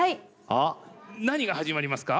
あっ何が始まりますか？